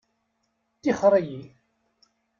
Tixxeṛ-iyi!